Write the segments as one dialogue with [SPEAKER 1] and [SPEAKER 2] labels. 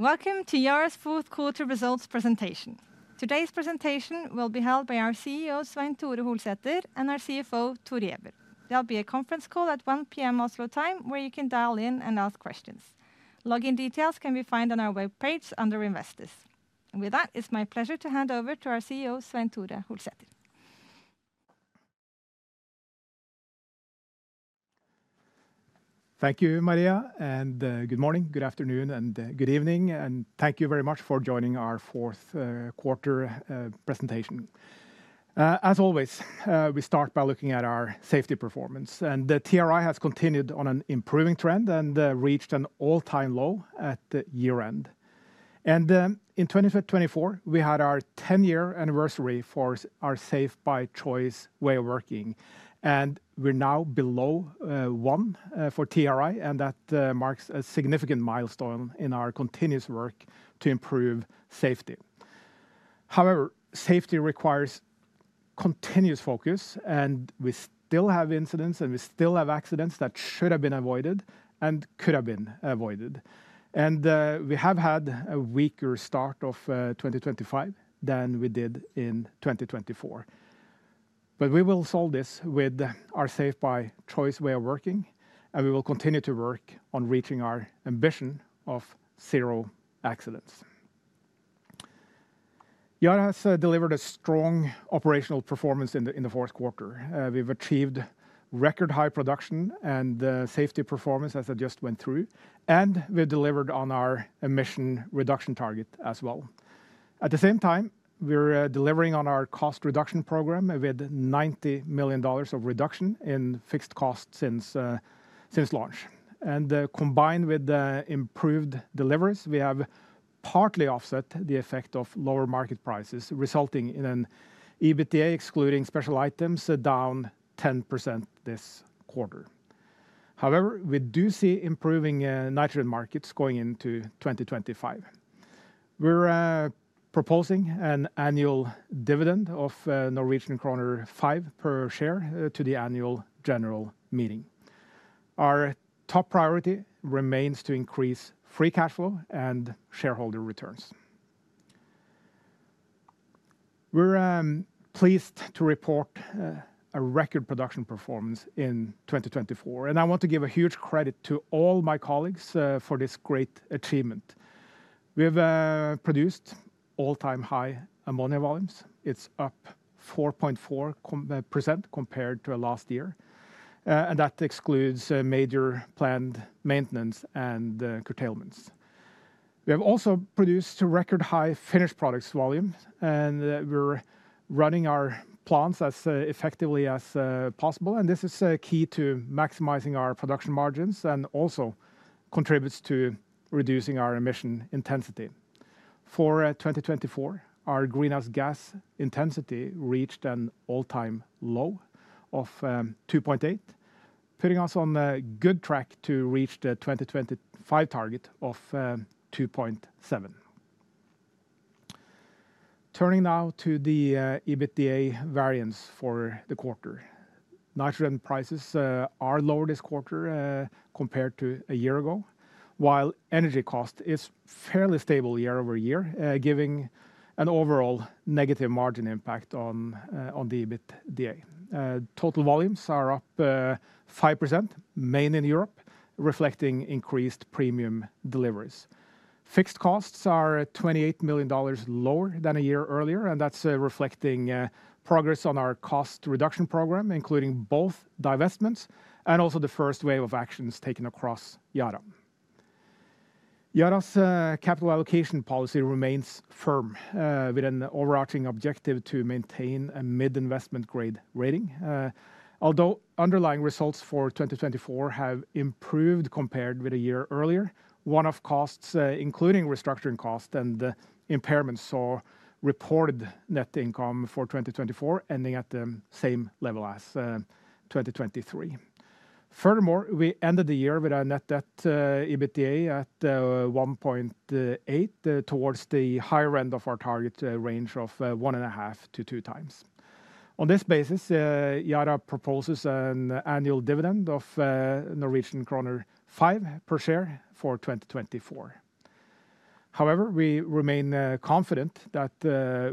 [SPEAKER 1] Welcome to Yara's fourth quarter results presentation. Today's presentation will be held by our CEO, Svein Tore Holsether, and our CFO, Thor Giæver. There'll be a conference call at 1:00 P.M. Oslo time, where you can dial in and ask questions. Login details can be found on our webpage under Investors. And with that, it's my pleasure to hand over to our CEO, Svein Tore Holsether.
[SPEAKER 2] Thank you, Maria, and good morning, good afternoon, and good evening, and thank you very much for joining our fourth quarter presentation. As always, we start by looking at our safety performance, and the TRI has continued on an improving trend and reached an all-time low at the year-end, and in 2024, we had our 10-year anniversary for our Safe by Choice way of working, and we're now below one for TRI, and that marks a significant milestone in our continuous work to improve safety. However, safety requires continuous focus, and we still have incidents, and we still have accidents that should have been avoided and could have been avoided, and we have had a weaker start of 2025 than we did in 2024, but we will solve this with our Safe by Choice way of working, and we will continue to work on reaching our ambition of zero accidents. Yara has delivered a strong operational performance in the fourth quarter. We've achieved record-high production and safety performance, as I just went through, and we've delivered on our emission reduction target as well. At the same time, we're delivering on our cost reduction program with $90 million of reduction in fixed costs since launch. And combined with improved deliveries, we have partly offset the effect of lower market prices, resulting in an EBITDA excluding special items down 10% this quarter. However, we do see improving nitrogen markets going into 2025. We're proposing an annual dividend of Norwegian kroner 5 per share to the annual general meeting. Our top priority remains to increase free cash flow and shareholder returns. We're pleased to report a record production performance in 2024, and I want to give a huge credit to all my colleagues for this great achievement. We have produced all-time high ammonia volumes. It's up 4.4% compared to last year, and that excludes major planned maintenance and curtailments. We have also produced record-high finished products volumes, and we're running our plants as effectively as possible, and this is key to maximizing our production margins and also contributes to reducing our emission intensity. For 2024, our greenhouse gas intensity reached an all-time low of 2.8, putting us on a good track to reach the 2025 target of 2.7. Turning now to the EBITDA variance for the quarter. Nitrogen prices are lower this quarter compared to a year ago, while energy cost is fairly stable year-over-year, giving an overall negative margin impact on the EBITDA. Total volumes are up 5%, mainly in Europe, reflecting increased premium deliveries. Fixed costs are $28 million lower than a year earlier, and that's reflecting progress on our cost reduction program, including both divestments and also the first wave of actions taken across Yara. Yara's capital allocation policy remains firm, with an overarching objective to maintain a mid-investment grade rating. Although underlying results for 2024 have improved compared with a year earlier, one-off costs, including restructuring costs and impairments, saw reported net income for 2024 ending at the same level as 2023. Furthermore, we ended the year with a net debt EBITDA at 1.8, towards the higher end of our target range of 1.5x-2x. On this basis, Yara proposes an annual dividend of Norwegian kroner 5 per share for 2024. However, we remain confident that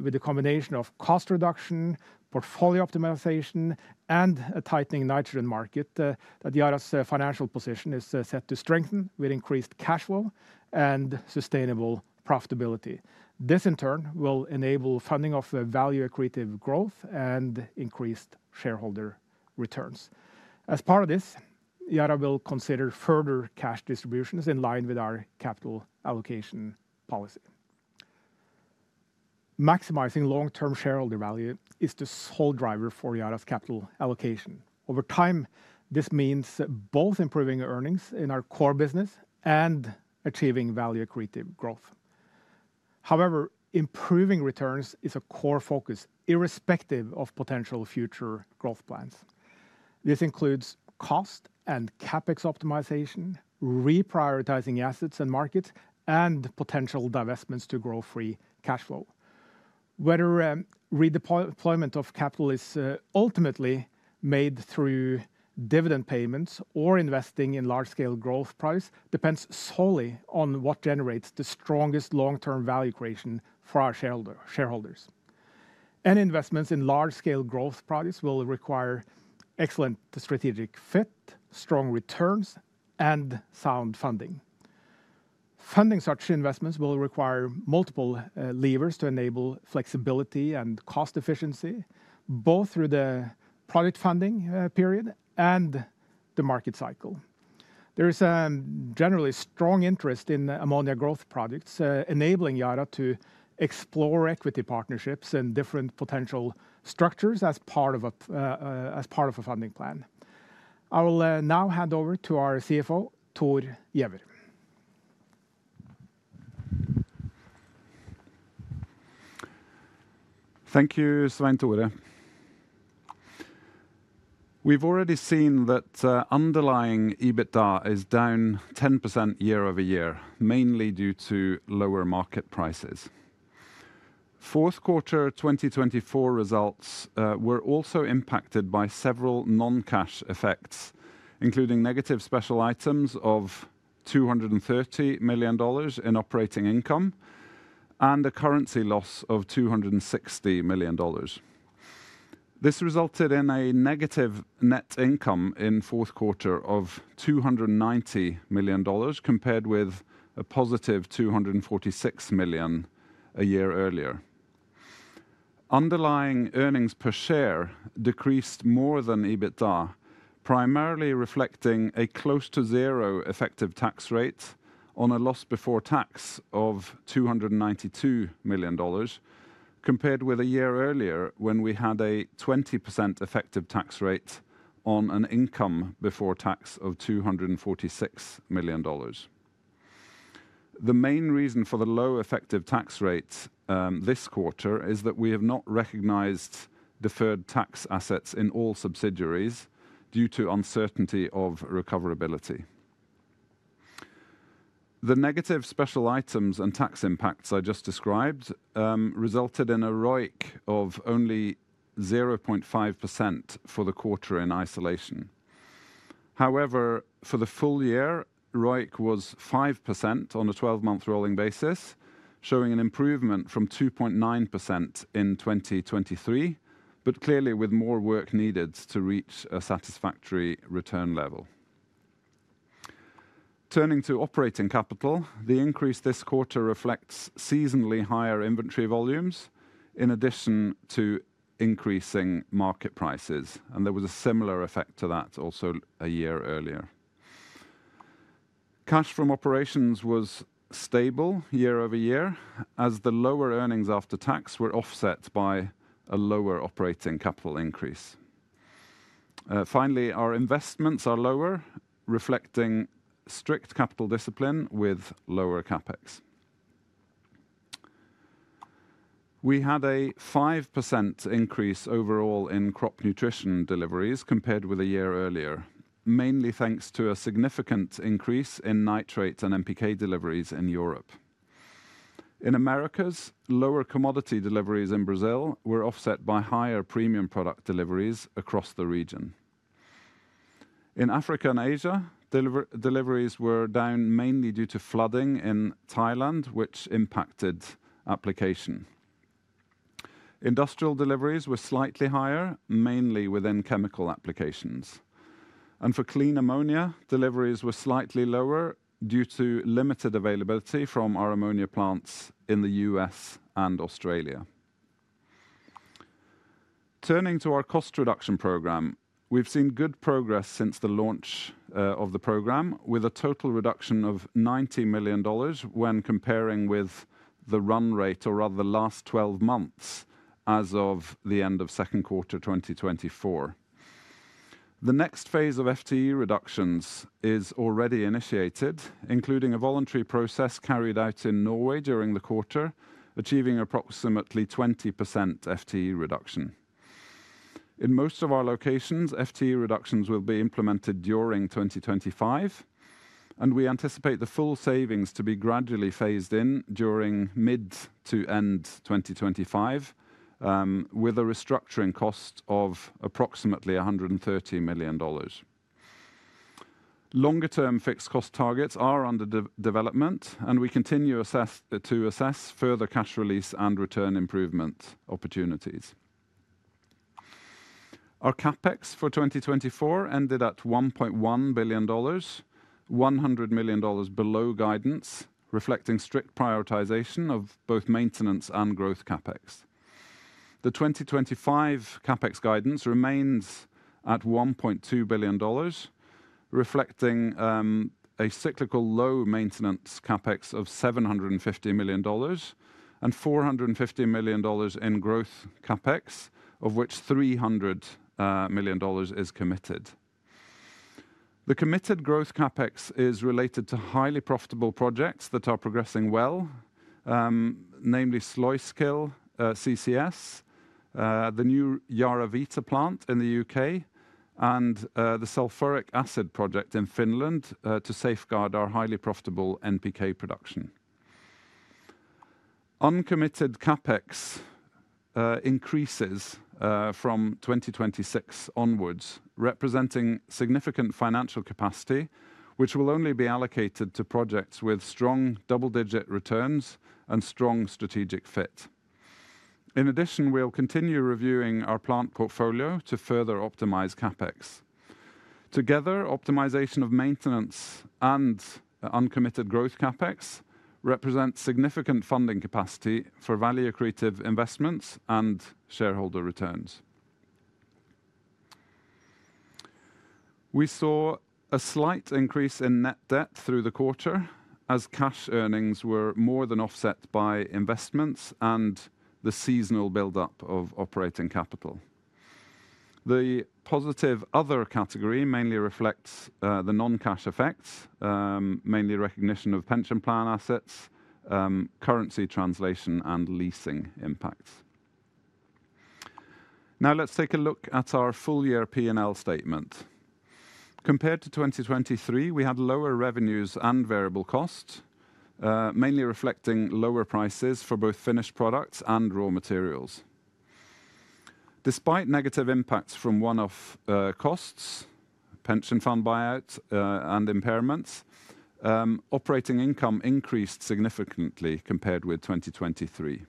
[SPEAKER 2] with the combination of cost reduction, portfolio optimization, and a tightening nitrogen market, that Yara's financial position is set to strengthen with increased cash flow and sustainable profitability. This, in turn, will enable funding of value-accretive growth and increased shareholder returns. As part of this, Yara will consider further cash distributions in line with our capital allocation policy. Maximizing long-term shareholder value is the sole driver for Yara's capital allocation. Over time, this means both improving earnings in our core business and achieving value-accretive growth. However, improving returns is a core focus, irrespective of potential future growth plans. This includes cost and CapEx optimization, reprioritizing assets and markets, and potential divestments to grow free cash flow. Whether redeployment of capital is ultimately made through dividend payments or investing in large-scale growth projects depends solely on what generates the strongest long-term value creation for our shareholders. Any investments in large-scale growth projects will require excellent strategic fit, strong returns, and sound funding. Funding such investments will require multiple levers to enable flexibility and cost efficiency, both through the project funding period and the market cycle. There is a generally strong interest in ammonia growth projects, enabling Yara to explore equity partnerships and different potential structures as part of a funding plan. I will now hand over to our CFO, Thor Giæver.
[SPEAKER 3] Thank you, Svein Tore. We've already seen that underlying EBITDA is down 10% year-over-year, mainly due to lower market prices. Fourth quarter 2024 results were also impacted by several non-cash effects, including negative special items of $230 million in operating income and a currency loss of $260 million. This resulted in a negative net income in fourth quarter of $290 million compared with a positive $246 million a year earlier. Underlying earnings per share decreased more than EBITDA, primarily reflecting a close to zero effective tax rate on a loss before tax of $292 million compared with a year earlier when we had a 20% effective tax rate on an income before tax of $246 million. The main reason for the low effective tax rate this quarter is that we have not recognized deferred tax assets in all subsidiaries due to uncertainty of recoverability. The negative special items and tax impacts I just described resulted in a ROIC of only 0.5% for the quarter in isolation. However, for the full year, ROIC was 5% on a 12-month rolling basis, showing an improvement from 2.9% in 2023, but clearly with more work needed to reach a satisfactory return level. Turning to operating capital, the increase this quarter reflects seasonally higher inventory volumes in addition to increasing market prices, and there was a similar effect to that also a year earlier. Cash from operations was stable year-over-year, as the lower earnings after tax were offset by a lower operating capital increase. Finally, our investments are lower, reflecting strict capital discipline with lower CapEx. We had a 5% increase overall in Crop Nutrition deliveries compared with a year earlier, mainly thanks to a significant increase in nitrates and NPK deliveries in Europe. In Americas, lower commodity deliveries in Brazil were offset by higher premium product deliveries across the region. In Africa and Asia, deliveries were down mainly due to flooding in Thailand, which impacted application. Industrial deliveries were slightly higher, mainly within chemical applications. For Clean Ammonia, deliveries were slightly lower due to limited availability from our ammonia plants in the U.S. and Australia. Turning to our cost reduction program, we've seen good progress since the launch of the program, with a total reduction of $90 million when comparing with the run rate, or rather the last 12 months as of the end of second quarter 2024. The next phase of FTE reductions is already initiated, including a voluntary process carried out in Norway during the quarter, achieving approximately 20% FTE reduction. In most of our locations, FTE reductions will be implemented during 2025, and we anticipate the full savings to be gradually phased in during mid to end 2025, with a restructuring cost of approximately $130 million. Longer-term fixed cost targets are under development, and we continue to assess further cash release and return improvement opportunities. Our CapEx for 2024 ended at $1.1 billion, $100 million below guidance, reflecting strict prioritization of both maintenance and growth CapEx. The 2025 CapEx guidance remains at $1.2 billion, reflecting a cyclical low maintenance CapEx of $750 million and $450 million in growth CapEx, of which $300 million is committed. The committed growth CapEx is related to highly profitable projects that are progressing well, namely Sluiskil CCS, the new YaraVita plant in the U.K., and the sulfuric acid project in Finland to safeguard our highly profitable NPK production. Uncommitted CapEx increases from 2026 onwards, representing significant financial capacity, which will only be allocated to projects with strong double-digit returns and strong strategic fit. In addition, we'll continue reviewing our plant portfolio to further optimize CapEx. Together, optimization of maintenance and uncommitted growth CapEx represents significant funding capacity for value-accretive investments and shareholder returns. We saw a slight increase in net debt through the quarter, as cash earnings were more than offset by investments and the seasonal buildup of operating capital. The positive other category mainly reflects the non-cash effects, mainly recognition of pension plan assets, currency translation, and leasing impacts. Now let's take a look at our full year P&L statement. Compared to 2023, we had lower revenues and variable costs, mainly reflecting lower prices for both finished products and raw materials. Despite negative impacts from one-off costs, pension fund buyouts, and impairments, operating income increased significantly compared with 2023.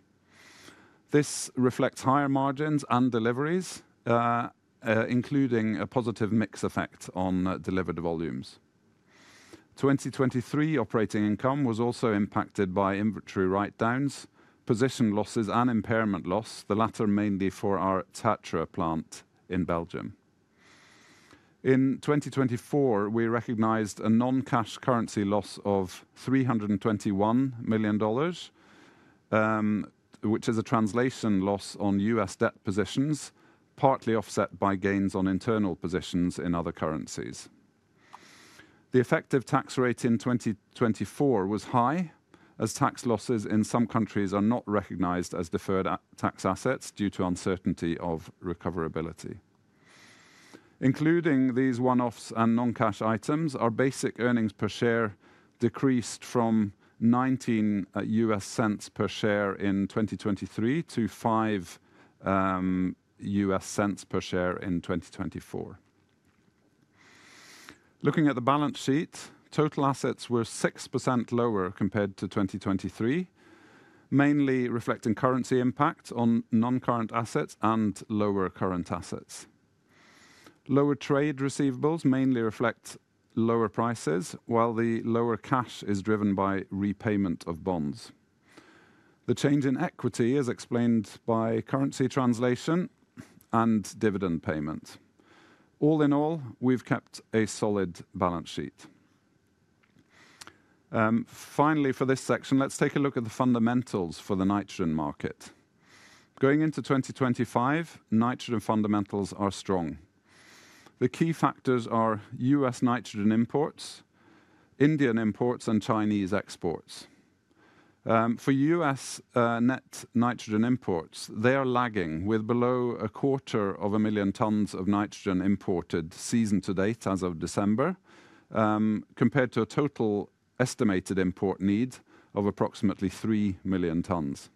[SPEAKER 3] This reflects higher margins and deliveries, including a positive mix effect on delivered volumes. 2023 operating income was also impacted by inventory write-downs, position losses, and impairment loss, the latter mainly for our Tertre plant in Belgium. In 2024, we recognized a non-cash currency loss of $321 million, which is a translation loss on U.S. debt positions, partly offset by gains on internal positions in other currencies. The effective tax rate in 2024 was high, as tax losses in some countries are not recognized as deferred tax assets due to uncertainty of recoverability. Including these one-offs and non-cash items, our basic earnings per share decreased from $0.19 per share in 2023 to $0.05 per share in 2024. Looking at the balance sheet, total assets were 6% lower compared to 2023, mainly reflecting currency impact on non-current assets and lower current assets. Lower trade receivables mainly reflect lower prices, while the lower cash is driven by repayment of bonds. The change in equity is explained by currency translation and dividend payment. All in all, we've kept a solid balance sheet. Finally, for this section, let's take a look at the fundamentals for the nitrogen market. Going into 2025, nitrogen fundamentals are strong. The key factors are U.S. nitrogen imports, Indian imports, and Chinese exports. For U.S. net nitrogen imports, they are lagging with below 250,000 tons of nitrogen imported season to date as of December, compared to a total estimated import need of approximately 3 million tons.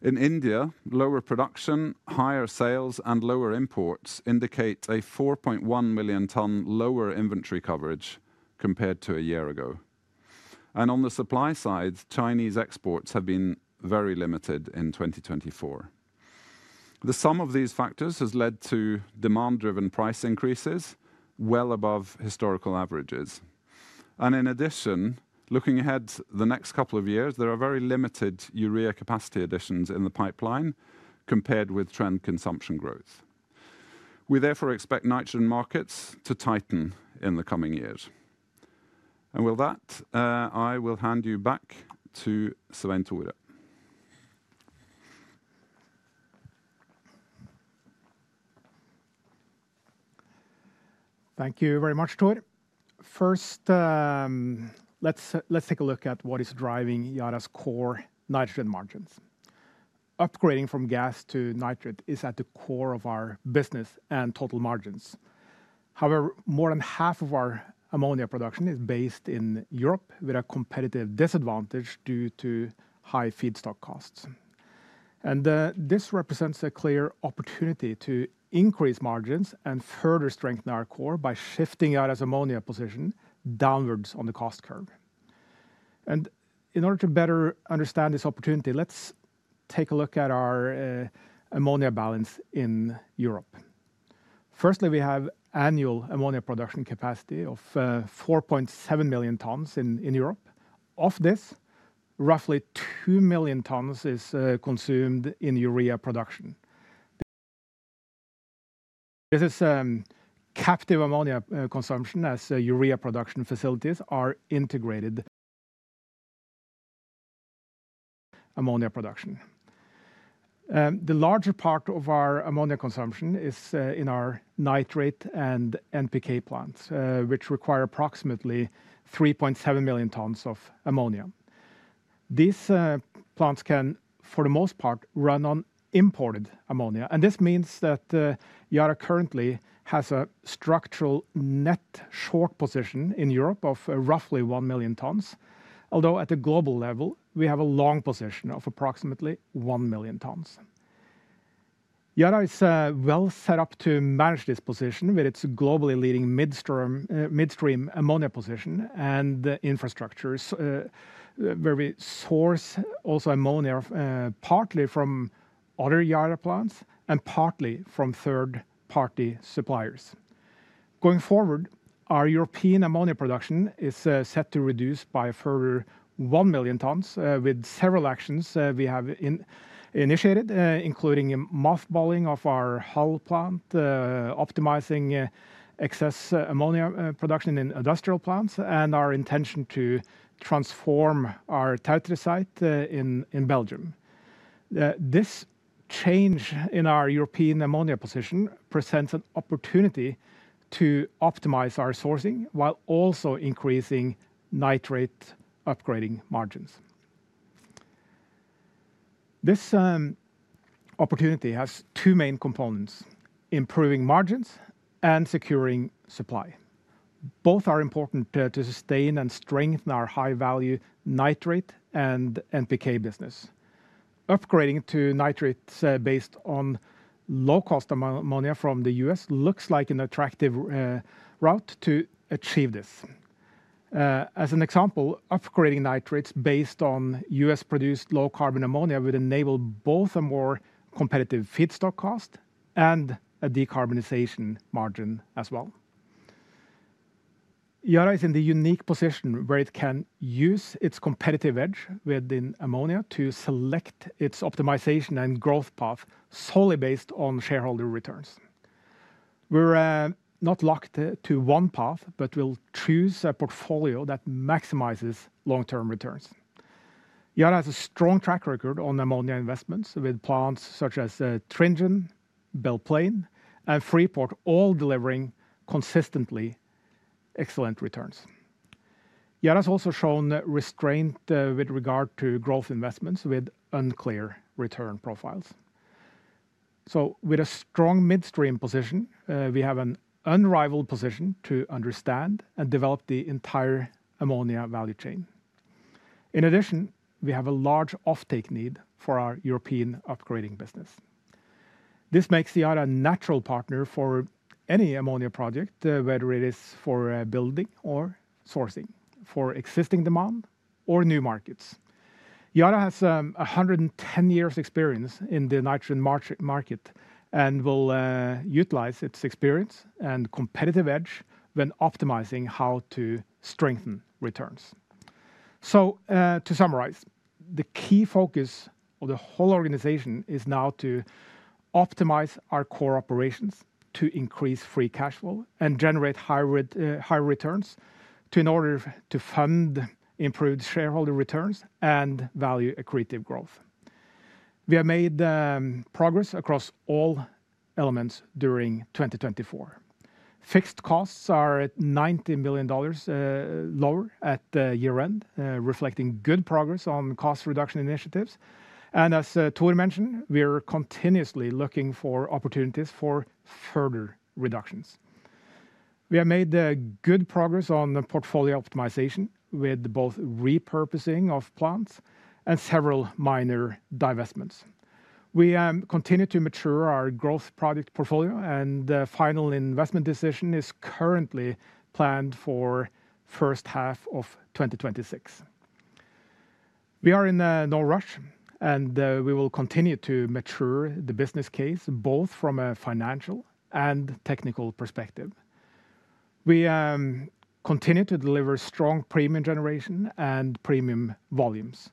[SPEAKER 3] In India, lower production, higher sales, and lower imports indicate a 4.1 million tons lower inventory coverage compared to a year ago, and on the supply side, Chinese exports have been very limited in 2024. The sum of these factors has led to demand-driven price increases well above historical averages, and in addition, looking ahead to the next couple of years, there are very limited urea capacity additions in the pipeline compared with trend consumption growth. We therefore expect nitrogen markets to tighten in the coming years, and with that, I will hand you back to Svein Tore.
[SPEAKER 2] Thank you very much, Thor. First, let's take a look at what is driving Yara's core nitrogen margins. Upgrading from gas to nitrate is at the core of our business and total margins. However, more than half of our ammonia production is based in Europe with a competitive disadvantage due to high feedstock costs. And this represents a clear opportunity to increase margins and further strengthen our core by shifting Yara's ammonia position downwards on the cost curve. And in order to better understand this opportunity, let's take a look at our ammonia balance in Europe. Firstly, we have annual ammonia production capacity of 4.7 million tons in Europe. Of this, roughly 2 million tons is consumed in urea production. This is captive ammonia consumption as urea production facilities are integrated ammonia production. The larger part of our ammonia consumption is in our nitrate and NPK plants, which require approximately 3.7 million tons of ammonia. These plants can, for the most part, run on imported ammonia, and this means that Yara currently has a structural net short position in Europe of roughly one million tons, although at a global level, we have a long position of approximately one million tons. Yara is well set up to manage this position with its globally leading midstream ammonia position and infrastructures, where we source also ammonia partly from other Yara plants and partly from third-party suppliers. Going forward, our European ammonia production is set to reduce by a further one million tons with several actions we have initiated, including mothballing of our Hull plant, optimizing excess ammonia production in industrial plants, and our intention to transform our Tertre site in Belgium. This change in our European ammonia position presents an opportunity to optimize our sourcing while also increasing nitrate upgrading margins. This opportunity has two main components: improving margins and securing supply. Both are important to sustain and strengthen our high-value nitrate and NPK business. Upgrading to nitrates based on low-cost ammonia from the U.S. looks like an attractive route to achieve this. As an example, upgrading nitrates based on U.S.-produced low-carbon ammonia would enable both a more competitive feedstock cost and a decarbonization margin as well. Yara is in the unique position where it can use its competitive edge within ammonia to select its optimization and growth path solely based on shareholder returns. We're not locked to one path, but we'll choose a portfolio that maximizes long-term returns. Yara has a strong track record on ammonia investments with plants such as Tringen, Belle Plaine, and Freeport, all delivering consistently excellent returns. Yara has also shown restraint with regard to growth investments with unclear return profiles. So, with a strong midstream position, we have an unrivaled position to understand and develop the entire ammonia value chain. In addition, we have a large offtake need for our European upgrading business. This makes Yara a natural partner for any ammonia project, whether it is for building or sourcing, for existing demand or new markets. Yara has 110 years' experience in the nitrogen market and will utilize its experience and competitive edge when optimizing how to strengthen returns. To summarize, the key focus of the whole organization is now to optimize our core operations to increase free cash flow and generate high returns in order to fund improved shareholder returns and value-accretive growth. We have made progress across all elements during 2024. Fixed costs are $90 million lower at year-end, reflecting good progress on cost reduction initiatives. As Thor mentioned, we're continuously looking for opportunities for further reductions. We have made good progress on portfolio optimization with both repurposing of plants and several minor divestments. We continue to mature our growth project portfolio, and the final investment decision is currently planned for the first half of 2026. We are in no rush, and we will continue to mature the business case both from a financial and technical perspective. We continue to deliver strong premium generation and premium volumes.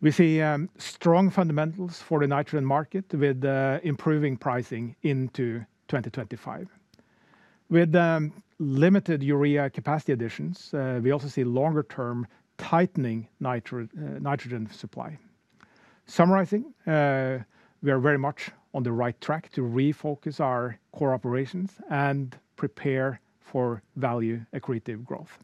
[SPEAKER 2] We see strong fundamentals for the nitrogen market with improving pricing into 2025. With limited urea capacity additions, we also see longer-term tightening nitrogen supply. Summarizing, we are very much on the right track to refocus our core operations and prepare for value-accretive growth.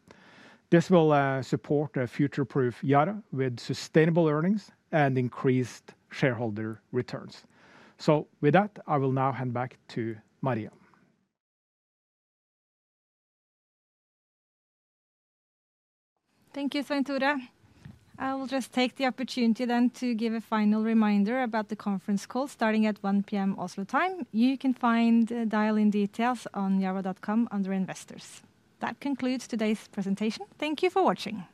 [SPEAKER 2] This will support a future-proof Yara with sustainable earnings and increased shareholder returns. So, with that, I will now hand back to Maria.
[SPEAKER 1] Thank you, Svein Tore. I will just take the opportunity then to give a final reminder about the conference call starting at 1:00 P.M. Oslo time. You can find dial-in details on yara.com under Investors. That concludes today's presentation. Thank you for watching.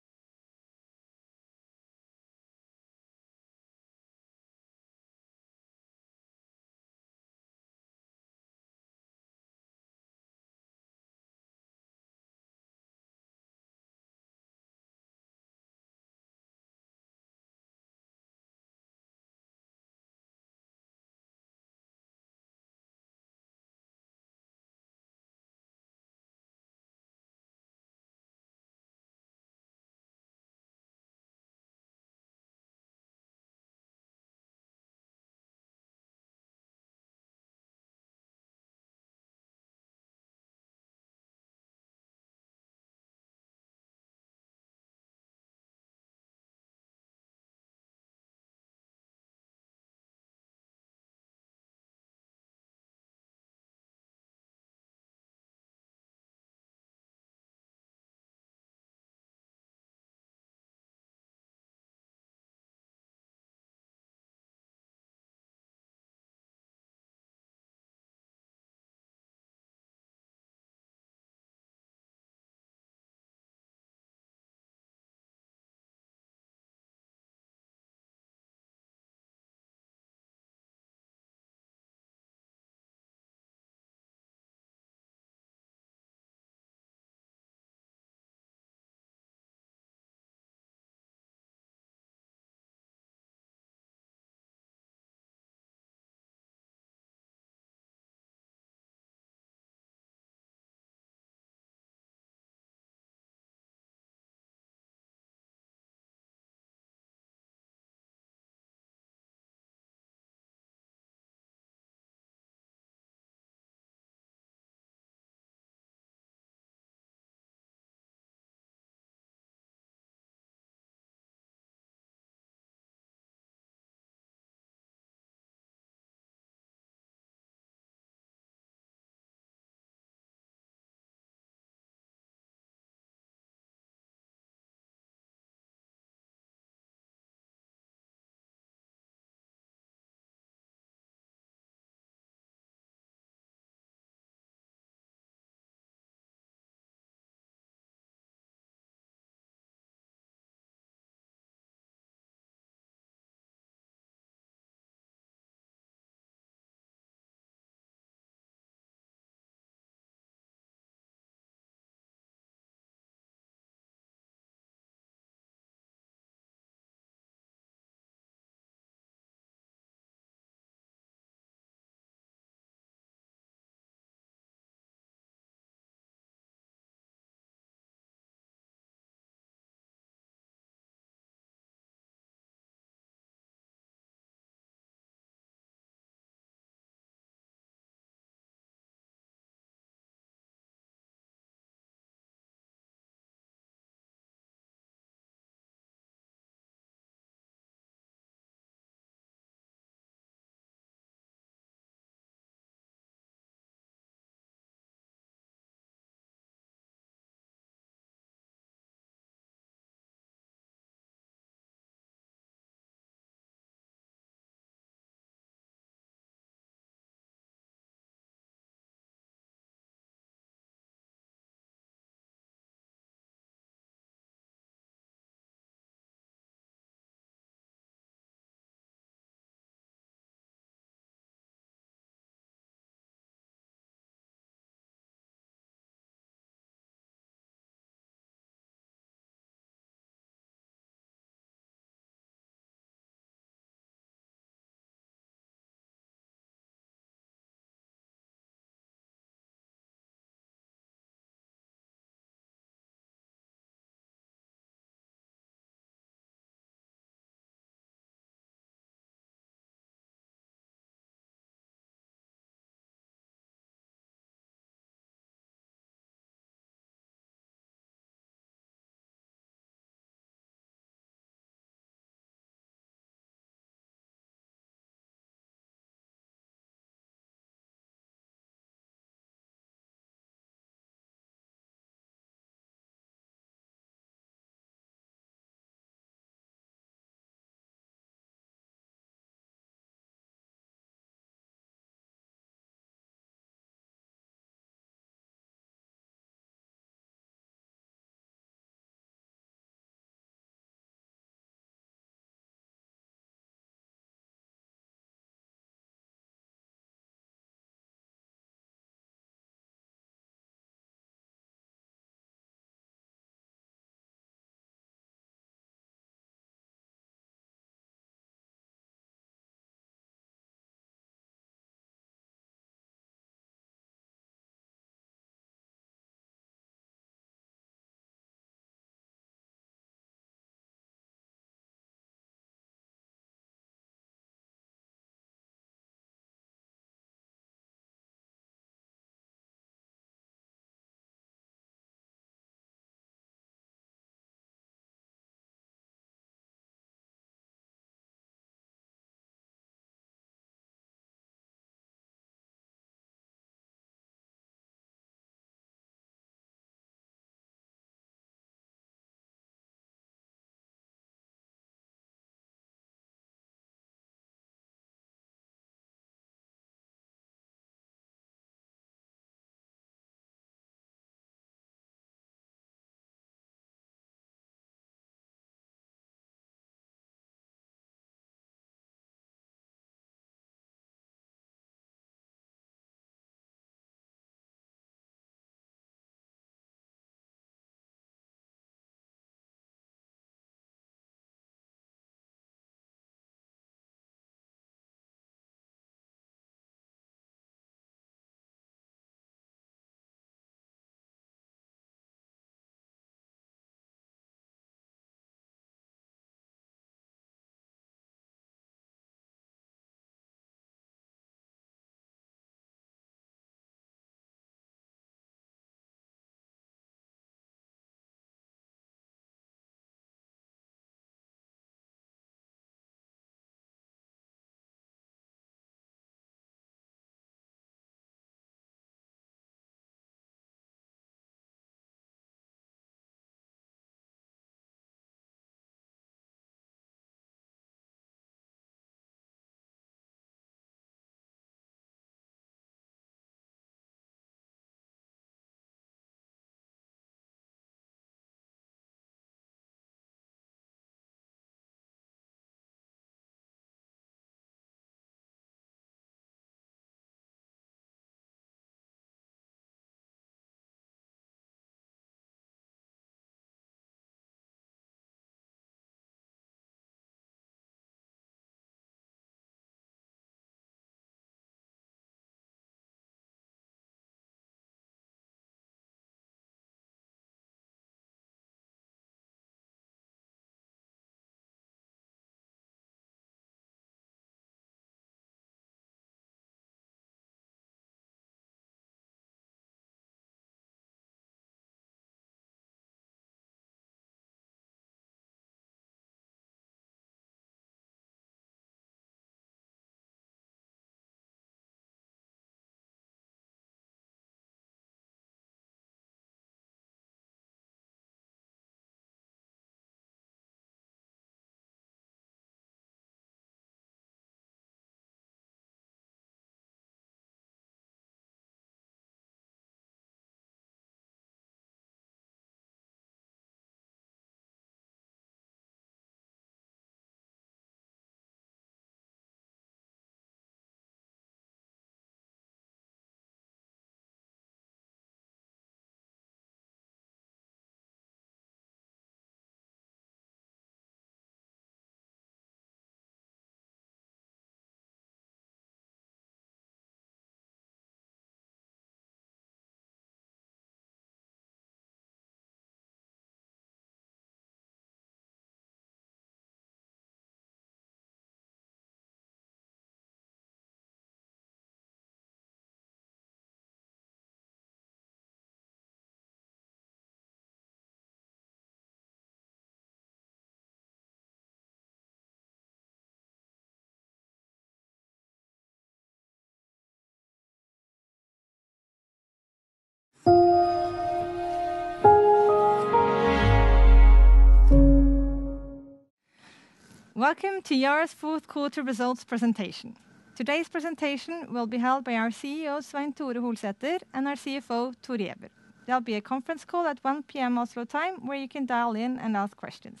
[SPEAKER 1] Welcome to Yara's fourth quarter results presentation. Today's presentation will be held by our CEO, Svein Tore Holsether, and our CFO, Thor Giæver. There'll be a conference call at 1:00 P.M. Oslo time, where you can dial in and ask questions.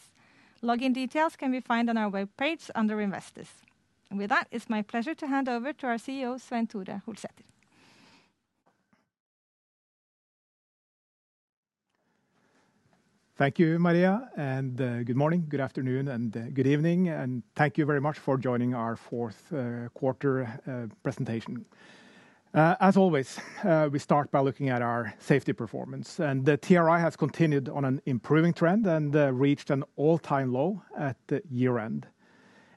[SPEAKER 1] Login details can be found on our webpage under Investors. And with that, it's my pleasure to hand over to our CEO, Svein Tore Holsether.
[SPEAKER 2] Thank you, Maria, and good morning, good afternoon, and good evening. And thank you very much for joining our fourth quarter presentation. As always, we start by looking at our safety performance. And the TRI has continued on an improving trend and reached an all-time low at the year-end.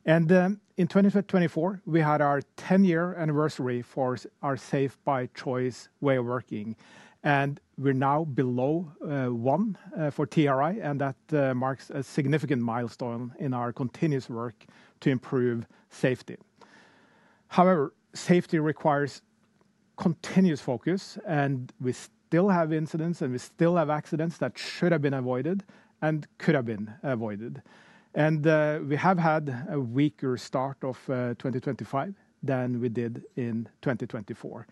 [SPEAKER 2] And in 2024, we had our 10-year anniversary for our Safe by Choice way of working. And we're now below one for TRI. And that marks a significant milestone in our continuous work to improve safety. However, safety requires continuous focus. And we still have incidents, and we still have accidents that should have been avoided and could have been avoided. And we have had a weaker start of 2025 than we did in 2024.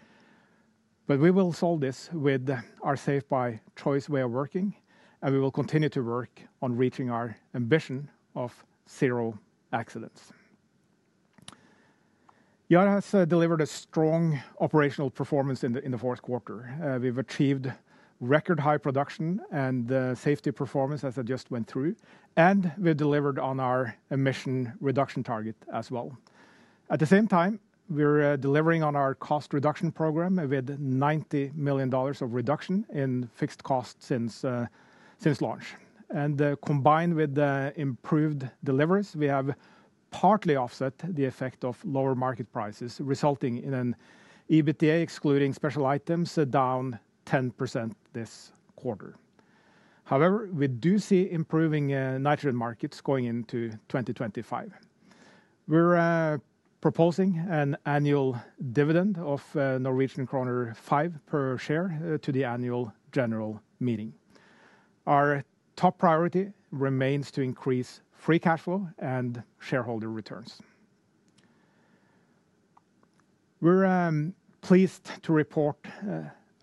[SPEAKER 2] But we will solve this with our Safe by Choice way of working. And we will continue to work on reaching our ambition of zero accidents. Yara has delivered a strong operational performance in the fourth quarter. We've achieved record-high production and safety performance, as I just went through. And we've delivered on our emission reduction target as well. At the same time, we're delivering on our cost reduction program with $90 million of reduction in fixed costs since launch. And combined with improved deliveries, we have partly offset the effect of lower market prices, resulting in an EBITDA excluding special items down 10% this quarter. However, we do see improving nitrogen markets going into 2025. We're proposing an annual dividend of Norwegian kroner 5 per share to the annual general meeting. Our top priority remains to increase free cash flow and shareholder returns. We're pleased to report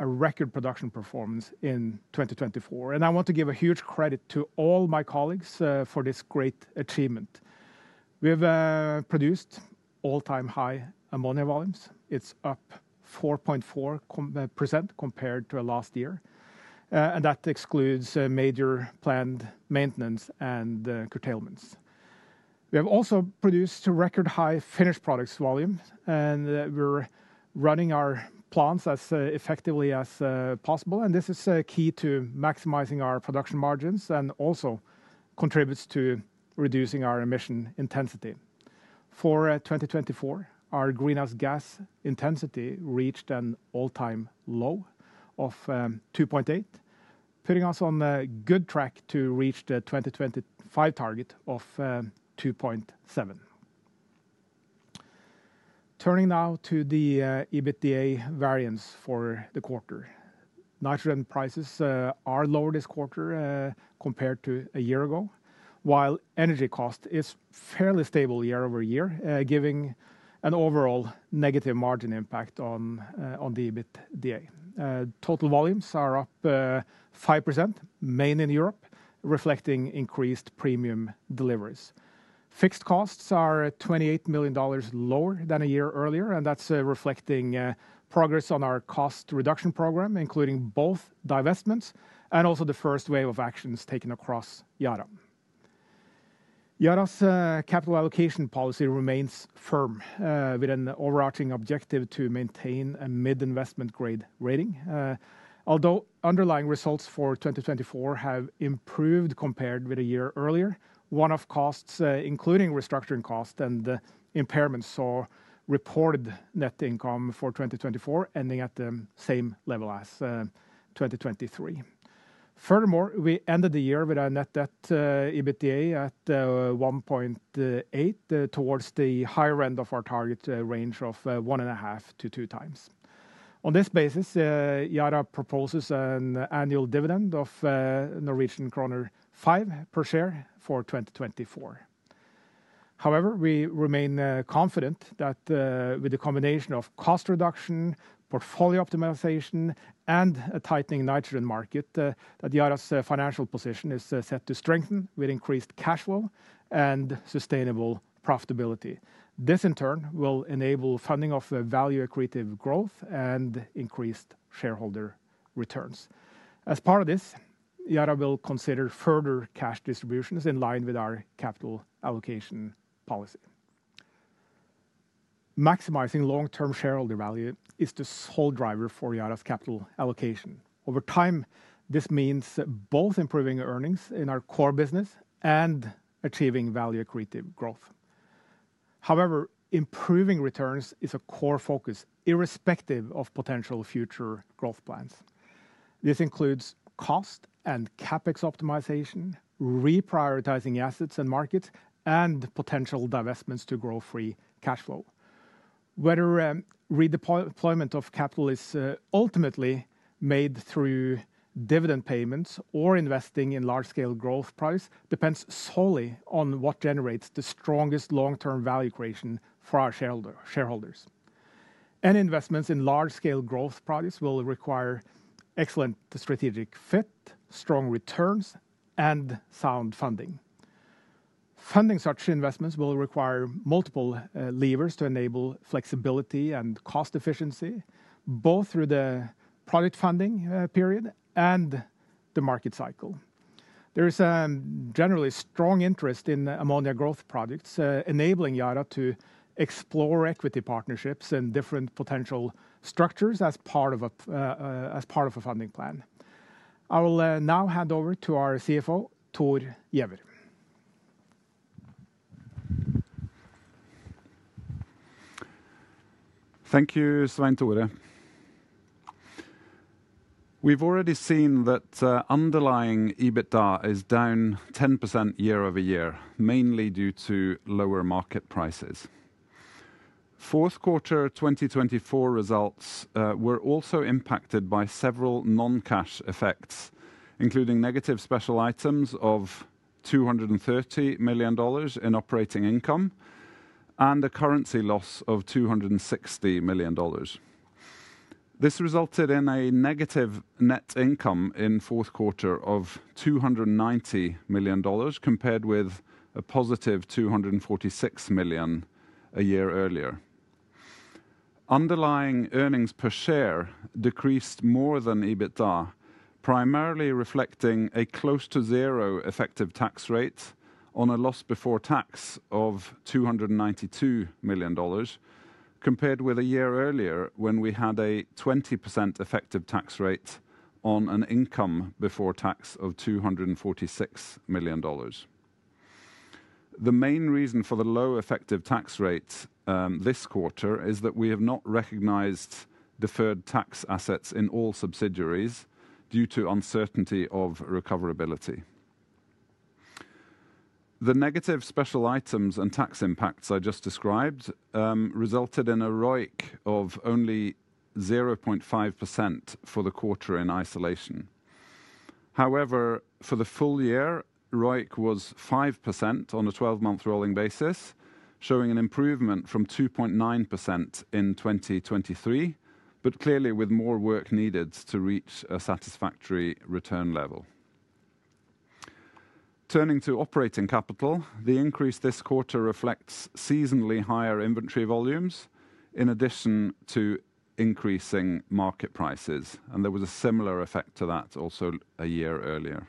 [SPEAKER 2] a record production performance in 2024. And I want to give a huge credit to all my colleagues for this great achievement. We have produced all-time high ammonia volumes. It's up 4.4% compared to last year. And that excludes major planned maintenance and curtailments. We have also produced record-high finished products volumes. We're running our plants as effectively as possible. And this is key to maximizing our production margins and also contributes to reducing our emission intensity. For 2024, our greenhouse gas intensity reached an all-time low of 2.8, putting us on a good track to reach the 2025 target of 2.7. Turning now to the EBITDA variance for the quarter. Nitrogen prices are lower this quarter compared to a year ago, while energy cost is fairly stable year-over-year, giving an overall negative margin impact on the EBITDA. Total volumes are up 5%, mainly in Europe, reflecting increased premium deliveries. Fixed costs are $28 million lower than a year earlier. That's reflecting progress on our cost reduction program, including both divestments and also the first wave of actions taken across Yara. Yara's capital allocation policy remains firm, with an overarching objective to maintain a mid-investment grade rating. Although underlying results for 2024 have improved compared with a year earlier, one-off costs, including restructuring costs and impairments, saw reported net income for 2024 ending at the same level as 2023. Furthermore, we ended the year with a net debt to EBITDA at 1.8, towards the higher end of our target range of 1.5x-2x. On this basis, Yara proposes an annual dividend of Norwegian kroner 5 per share for 2024. However, we remain confident that with the combination of cost reduction, portfolio optimization, and a tightening nitrogen market, that Yara's financial position is set to strengthen with increased cash flow and sustainable profitability. This, in turn, will enable funding of value-accretive growth and increased shareholder returns. As part of this, Yara will consider further cash distributions in line with our capital allocation policy. Maximizing long-term shareholder value is the sole driver for Yara's capital allocation. Over time, this means both improving earnings in our core business and achieving value-accretive growth. However, improving returns is a core focus, irrespective of potential future growth plans. This includes cost and CapEx optimization, reprioritizing assets and markets, and potential divestments to grow free cash flow. Whether redeployment of capital is ultimately made through dividend payments or investing in large-scale growth projects depends solely on what generates the strongest long-term value creation for our shareholders. Any investments in large-scale growth projects will require excellent strategic fit, strong returns, and sound funding. Funding such investments will require multiple levers to enable flexibility and cost efficiency, both through the project funding period and the market cycle. There is a generally strong interest in ammonia growth projects, enabling Yara to explore equity partnerships and different potential structures as part of a funding plan. I will now hand over to our CFO, Thor Giæver.
[SPEAKER 3] Thank you, Svein Tore. We've already seen that underlying EBITDA is down 10% year-over-year, mainly due to lower market prices. Fourth quarter 2024 results were also impacted by several non-cash effects, including negative special items of $230 million in operating income and a currency loss of $260 million. This resulted in a negative net income in fourth quarter of $290 million compared with a positive $246 million a year earlier. Underlying earnings per share decreased more than EBITDA, primarily reflecting a close to zero effective tax rate on a loss before tax of $292 million compared with a year earlier when we had a 20% effective tax rate on an income before tax of $246 million. The main reason for the low effective tax rate this quarter is that we have not recognized deferred tax assets in all subsidiaries due to uncertainty of recoverability. The negative special items and tax impacts I just described resulted in a ROIC of only 0.5% for the quarter in isolation. However, for the full year, ROIC was 5% on a 12-month rolling basis, showing an improvement from 2.9% in 2023, but clearly with more work needed to reach a satisfactory return level. Turning to operating capital, the increase this quarter reflects seasonally higher inventory volumes in addition to increasing market prices. And there was a similar effect to that also a year earlier.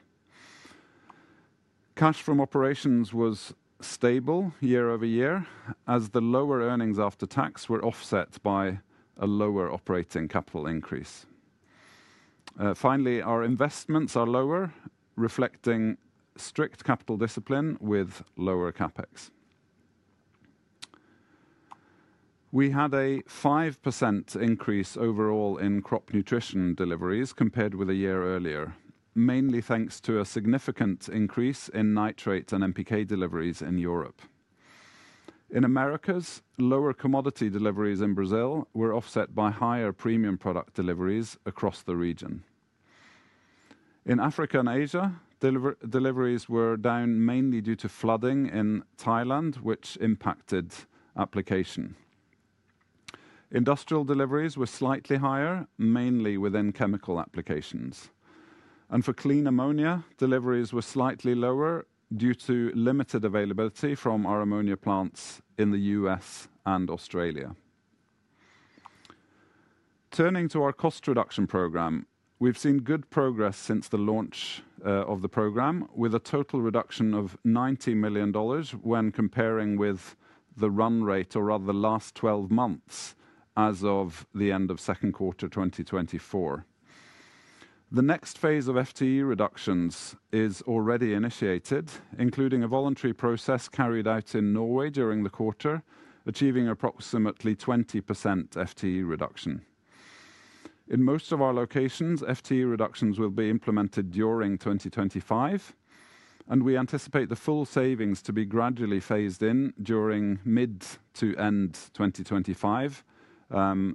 [SPEAKER 3] Cash from operations was stable year-over-year, as the lower earnings after tax were offset by a lower operating capital increase. Finally, our investments are lower, reflecting strict capital discipline with lower CapEx. We had a 5% increase overall in Crop Nutrition deliveries compared with a year earlier, mainly thanks to a significant increase in nitrate and NPK deliveries in Europe. In Americas, lower commodity deliveries in Brazil were offset by higher premium product deliveries across the region. In Africa and Asia, deliveries were down mainly due to flooding in Thailand, which impacted application. Industrial deliveries were slightly higher, mainly within chemical applications. And for Clean Ammonia, deliveries were slightly lower due to limited availability from our ammonia plants in the U.S. and Australia. Turning to our cost reduction program, we've seen good progress since the launch of the program, with a total reduction of $90 million when comparing with the run rate, or rather the last 12 months as of the end of second quarter 2024. The next phase of FTE reductions is already initiated, including a voluntary process carried out in Norway during the quarter, achieving approximately 20% FTE reduction. In most of our locations, FTE reductions will be implemented during 2025, and we anticipate the full savings to be gradually phased in during mid to end 2025,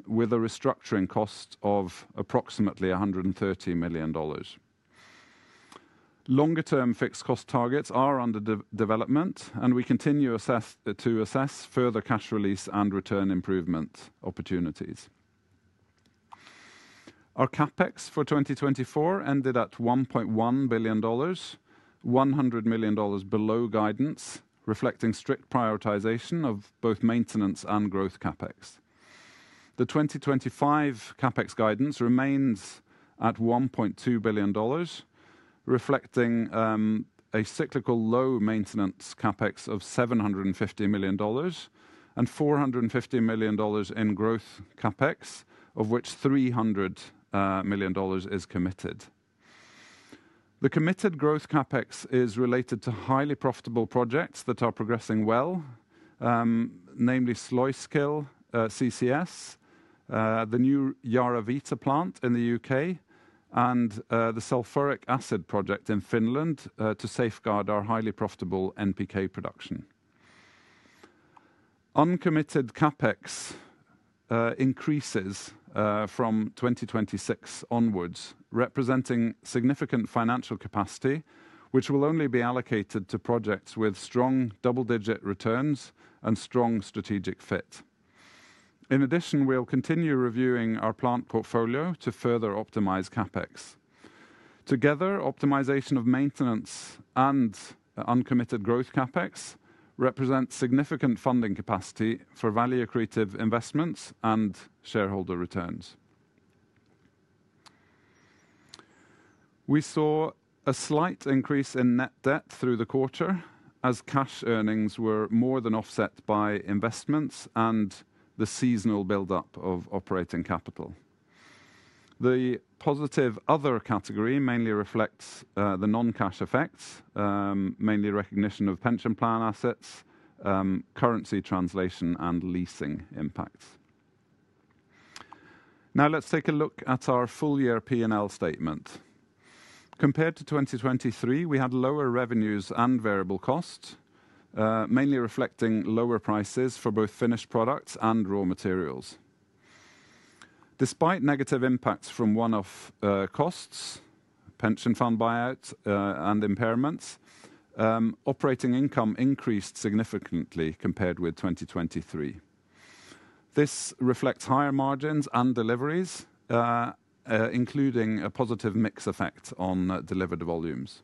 [SPEAKER 3] with a restructuring cost of approximately $130 million. Longer-term fixed cost targets are under development, and we continue to assess further cash release and return improvement opportunities. Our CapEx for 2024 ended at $1.1 billion, $100 million below guidance, reflecting strict prioritization of both maintenance and growth CapEx. The 2025 CapEx guidance remains at $1.2 billion, reflecting a cyclical low maintenance CapEx of $750 million and $450 million in growth CapEx, of which $300 million is committed. The committed growth CapEx is related to highly profitable projects that are progressing well, namely Sluiskil CCS, the new YaraVita plant in the U.K., and the sulfuric acid project in Finland to safeguard our highly profitable NPK production. Uncommitted CapEx increases from 2026 onwards, representing significant financial capacity, which will only be allocated to projects with strong double-digit returns and strong strategic fit. In addition, we'll continue reviewing our plant portfolio to further optimize CapEx. Together, optimization of maintenance and uncommitted growth CapEx represents significant funding capacity for value-accretive investments and shareholder returns. We saw a slight increase in net debt through the quarter, as cash earnings were more than offset by investments and the seasonal build-up of operating capital. The positive other category mainly reflects the non-cash effects, mainly recognition of pension plan assets, currency translation, and leasing impacts. Now, let's take a look at our full year P&L statement. Compared to 2023, we had lower revenues and variable costs, mainly reflecting lower prices for both finished products and raw materials. Despite negative impacts from one-off costs, pension fund buyouts, and impairments, operating income increased significantly compared with 2023. This reflects higher margins and deliveries, including a positive mix effect on delivered volumes.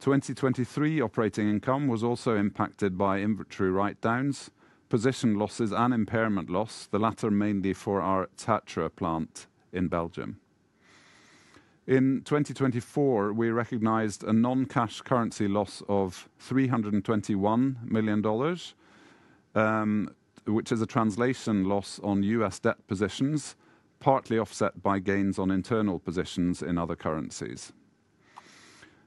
[SPEAKER 3] 2023 operating income was also impacted by inventory write-downs, position losses, and impairment loss, the latter mainly for our Tertre plant in Belgium. In 2024, we recognized a non-cash currency loss of $321 million, which is a translation loss on U.S. debt positions, partly offset by gains on internal positions in other currencies.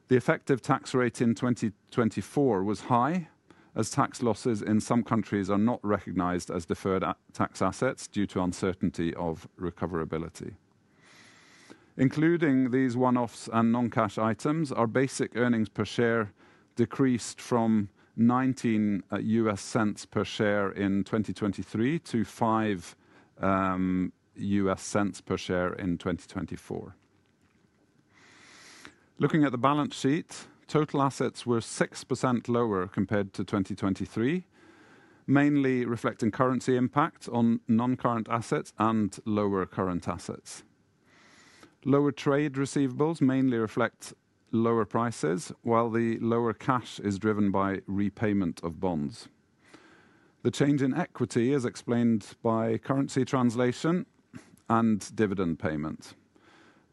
[SPEAKER 3] The effective tax rate in 2024 was high, as tax losses in some countries are not recognized as deferred tax assets due to uncertainty of recoverability. Including these one-offs and non-cash items, our basic earnings per share decreased from $0.19 per share in 2023 to $0.05 per share in 2024. Looking at the balance sheet, total assets were 6% lower compared to 2023, mainly reflecting currency impact on non-current assets and lower current assets. Lower trade receivables mainly reflect lower prices, while the lower cash is driven by repayment of bonds. The change in equity is explained by currency translation and dividend payment.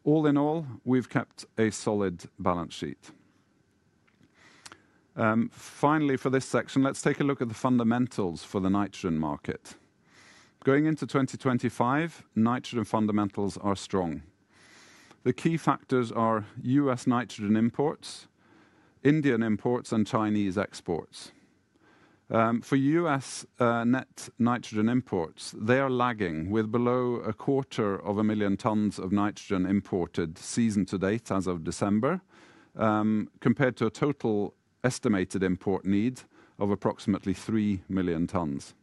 [SPEAKER 3] All in all, we've kept a solid balance sheet. Finally, for this section, let's take a look at the fundamentals for the nitrogen market. Going into 2025, nitrogen fundamentals are strong. The key factors are U.S. nitrogen imports, Indian imports, and Chinese exports. For U.S. net nitrogen imports, they are lagging with below 250,000 tons of nitrogen imported season to date as of December, compared to a total estimated import need of approximately 3 million tons.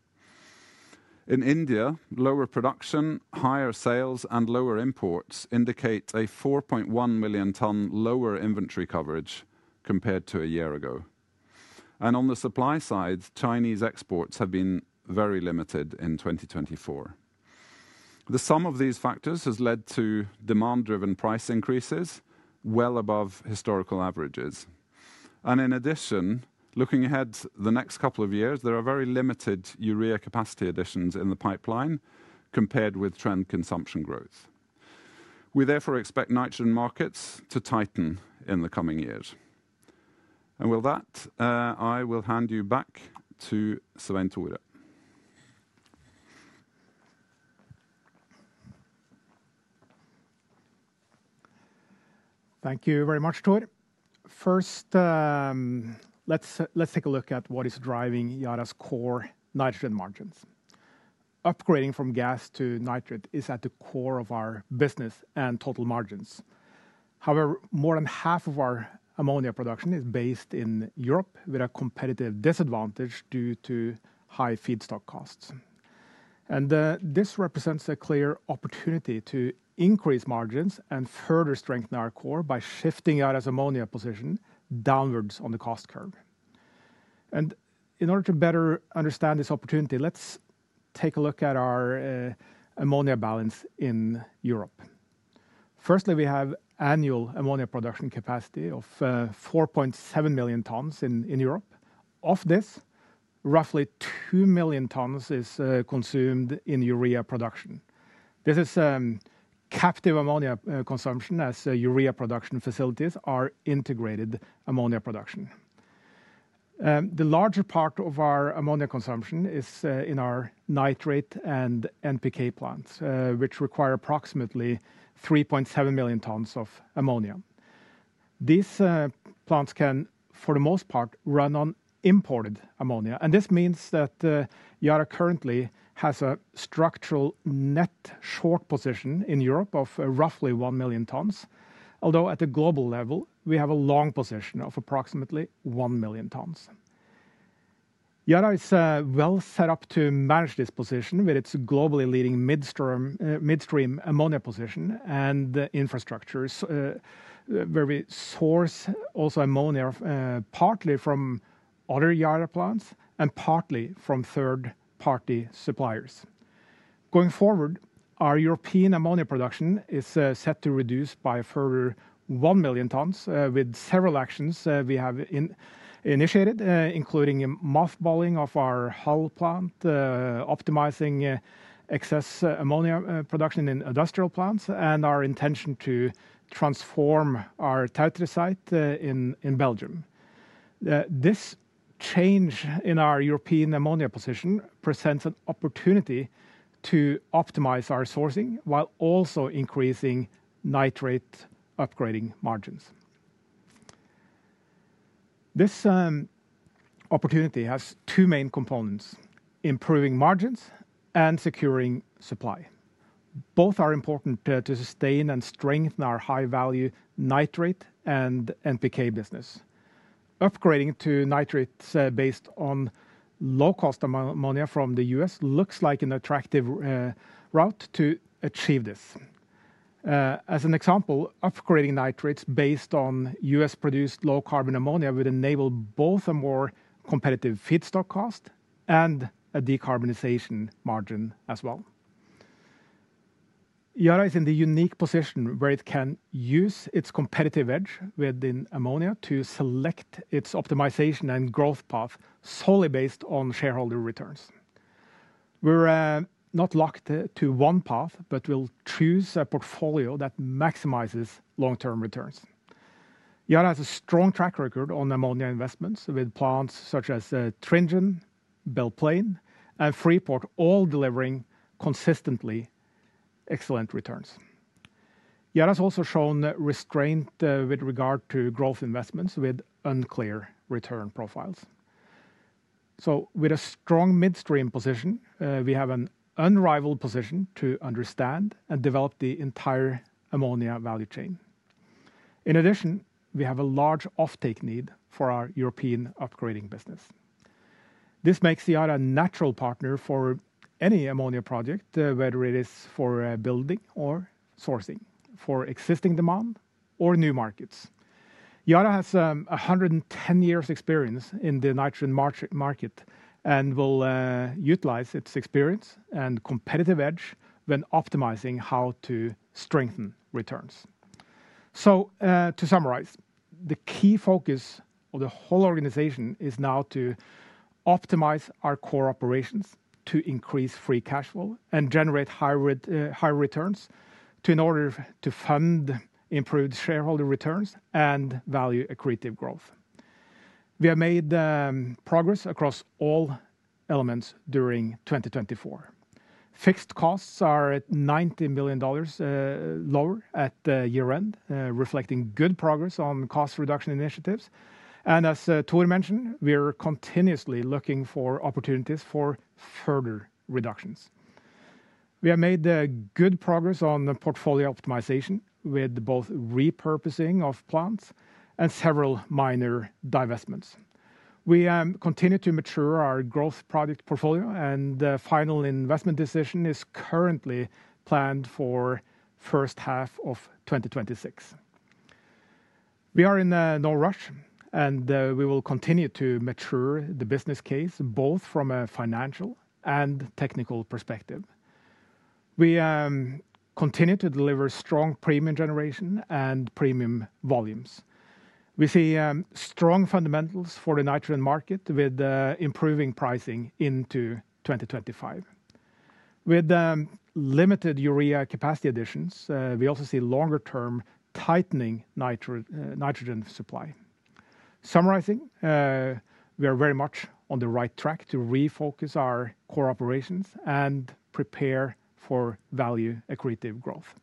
[SPEAKER 3] In India, lower production, higher sales, and lower imports indicate a 4.1 million tons lower inventory coverage compared to a year ago. On the supply side, Chinese exports have been very limited in 2024. The sum of these factors has led to demand-driven price increases well above historical averages. In addition, looking ahead to the next couple of years, there are very limited urea capacity additions in the pipeline compared with trend consumption growth. We therefore expect nitrogen markets to tighten in the coming years. With that, I will hand you back to Svein Tore.
[SPEAKER 2] Thank you very much, Thor. First, let's take a look at what is driving Yara's core nitrogen margins. Upgrading from gas to nitrate is at the core of our business and total margins. However, more than half of our ammonia production is based in Europe with a competitive disadvantage due to high feedstock costs, and this represents a clear opportunity to increase margins and further strengthen our core by shifting Yara's ammonia position downward on the cost curve, and in order to better understand this opportunity, let's take a look at our ammonia balance in Europe. Firstly, we have annual ammonia production capacity of 4.7 million tons in Europe. Of this, roughly two million tons is consumed in urea production. This is captive ammonia consumption as urea production facilities are integrated ammonia production. The larger part of our ammonia consumption is in our nitrate and NPK plants, which require approximately 3.7 million tons of ammonia. These plants can, for the most part, run on imported ammonia. And this means that Yara currently has a structural net short position in Europe of roughly one million tons, although at a global level, we have a long position of approximately one million tons. Yara is well set up to manage this position with its globally leading midstream ammonia position and infrastructure, where we source also ammonia partly from other Yara plants and partly from third-party suppliers. Going forward, our European ammonia production is set to reduce by a further one million tons with several actions we have initiated, including mothballing of our Hull plant, optimizing excess ammonia production in industrial plants, and our intention to transform our Tertre in Belgium. This change in our European ammonia position presents an opportunity to optimize our sourcing while also increasing nitrate upgrading margins. This opportunity has two main components: improving margins and securing supply. Both are important to sustain and strengthen our high-value nitrate and NPK business. Upgrading to nitrates based on low-cost ammonia from the U.S. looks like an attractive route to achieve this. As an example, upgrading nitrates based on U.S.-produced low-carbon ammonia would enable both a more competitive feedstock cost and a decarbonization margin as well. Yara is in the unique position where it can use its competitive edge within ammonia to select its optimization and growth path solely based on shareholder returns. We're not locked to one path, but we'll choose a portfolio that maximizes long-term returns. Yara has a strong track record on ammonia investments with plants such as Tringen, Belle Plaine, and Freeport, all delivering consistently excellent returns. Yara has also shown restraint with regard to growth investments with unclear return profiles. So, with a strong midstream position, we have an unrivaled position to understand and develop the entire ammonia value chain. In addition, we have a large offtake need for our European upgrading business. This makes Yara a natural partner for any ammonia project, whether it is for building or sourcing, for existing demand or new markets. Yara has 110 years' experience in the nitrogen market and will utilize its experience and competitive edge when optimizing how to strengthen returns. So, to summarize, the key focus of the whole organization is now to optimize our core operations to increase free cash flow and generate high returns in order to fund improved shareholder returns and value-accretive growth. We have made progress across all elements during 2024. Fixed costs are $90 million lower at year-end, reflecting good progress on cost reduction initiatives. And as Thor mentioned, we are continuously looking for opportunities for further reductions. We have made good progress on portfolio optimization with both repurposing of plants and several minor divestments. We continue to mature our growth project portfolio, and the final investment decision is currently planned for the first half of 2026. We are in no rush, and we will continue to mature the business case both from a financial and technical perspective. We continue to deliver strong premium generation and premium volumes. We see strong fundamentals for the nitrogen market with improving pricing into 2025. With limited urea capacity additions, we also see longer-term tightening nitrogen supply. Summarizing, we are very much on the right track to refocus our core operations and prepare for value-accretive growth.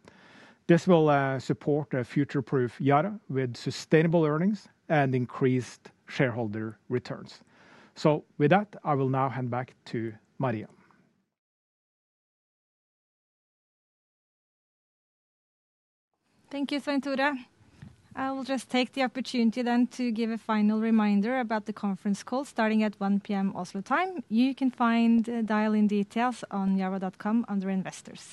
[SPEAKER 2] This will support a future-proof Yara with sustainable earnings and increased shareholder returns. So, with that, I will now hand back to Maria.
[SPEAKER 1] Thank you, Svein Tore. I will just take the opportunity then to give a final reminder about the conference call starting at 1:00 P.M. Oslo time. You can find dial-in details on yara.com under Investors.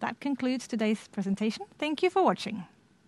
[SPEAKER 1] That concludes today's presentation. Thank you for watching.